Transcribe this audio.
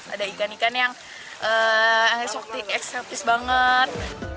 ada ikan ikan yang aneh sukti ekstremis banget